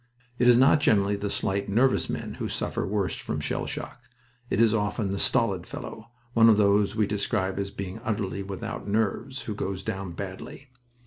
It is not generally the slight, nervous men who suffer worst from shell shock. It is often the stolid fellow, one of those we describe as being utterly without nerves, who goes down badly.